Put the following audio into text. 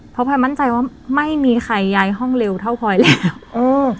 เพราะพลอยมั่นใจว่าไม่มีใครย้ายห้องเร็วเท่าพลอยแล้วเออ